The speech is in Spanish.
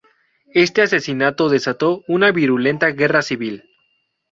Este asesinato desató una virulenta guerra civil.